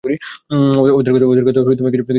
ওদের কথা তুমি কিছুই বিশ্বাস করিয়ো না–সব মিথ্যা।